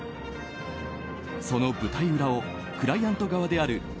その舞台裏をクライアント側であるＯＭＯ７